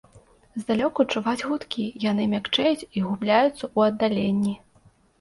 Здалёку чуваць гудкі, яны мякчэюць і губляюцца ў аддаленні.